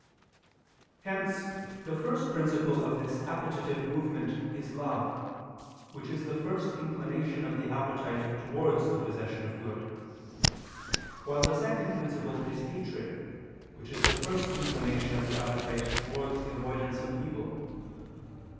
Hence the first principle of this appetitive movement is love, which is the first inclination of the appetite towards the possession of good: while the second principle is hatred, which is the first inclination of the appetite towards the avoidance of evil.